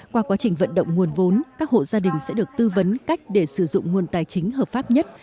qua quá trình vận động nguồn vốn các hộ gia đình sẽ được tư vấn cách để sử dụng nguồn tài chính hợp pháp nhất